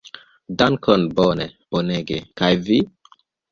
Dankon, bone, bonege, kaj vi?